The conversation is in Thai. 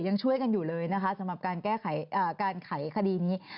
ยังช่วยกันอยู่เลยนะคะสำหรับการแก้ไขการไขคดีนี้